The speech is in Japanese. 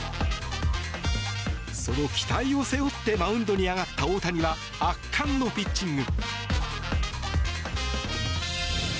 その期待を背負ってマウンドに上がった大谷は圧巻のピッチング。